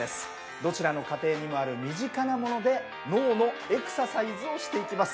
どちらの家庭にもある身近なもので脳のエクササイズをしていきます。